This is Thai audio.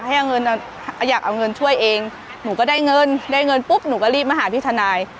ให้เอาเงินอยากเอาเงินช่วยเองหนูก็ได้เงินได้เงินปุ๊บหนูก็รีบมาหาพี่ทนาย